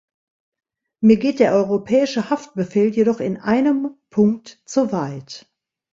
Mir geht der Europäische Haftbefehl jedoch in einem Punkt zu weit.